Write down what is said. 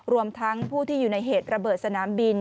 รวมทั้งผู้ที่อยู่ในเหตุระเบิดสนามบิน